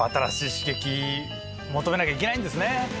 求めなきゃいけないんですね。